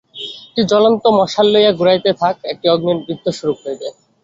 একটি জ্বলন্ত মশাল লইয়া ঘুরাইতে থাক, একটি অগ্নির বৃত্তস্বরূপ হইবে।